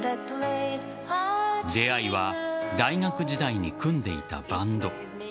出会いは大学時代に組んでいたバンド。